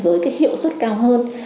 với cái hiệu suất cao hơn